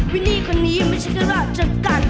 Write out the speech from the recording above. วินีคนนี้ไม่ใช่แค่ราชการ